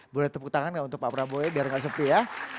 boleh tepuk tangan gak untuk pak prabowo ya biar nggak sepi ya